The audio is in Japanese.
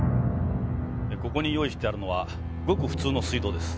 ここに用意してあるのはごく普通の水道です。